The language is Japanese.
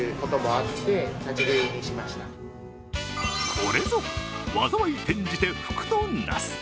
これぞ、災い転じて福となす。